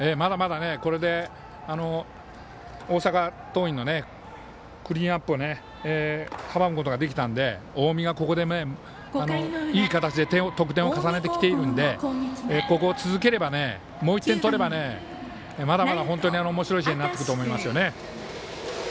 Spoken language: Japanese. これで大阪桐蔭のクリーンナップを阻むことができたので近江は、ここでいい形で得点を重ねてきているのでここを続ければ、もう１点取ればまだまだおもしろい試合になると思います。